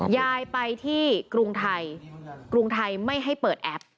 ยายไปที่กรุงไทยกรุงไทยไม่ให้เปิดแอป